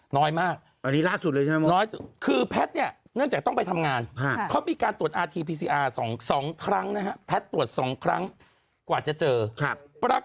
สวัสดีครับข้าวใส่ไข่สดใหม่ให้เยอะ